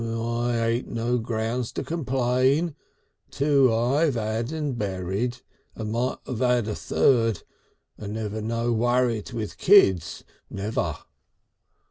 I hain't no grounds to complain. Two I've 'ad and berried, and might 'ave 'ad a third, and never no worrit with kids never....